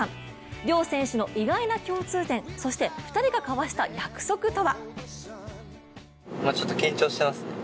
両選手の意外な共通点、そして２人が交わした約束とは？